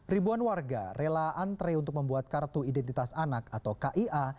ribuan warga rela antre untuk membuat kartu identitas anak atau kia